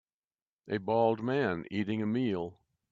A bald man eating a meal